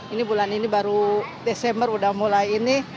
ini bulan ini baru desember udah mulai ini